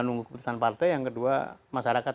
nunggu keputusan partai yang kedua masyarakat